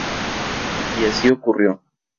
Y así ocurrió.